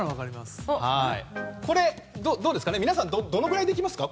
これ、皆さんどのぐらいできますか？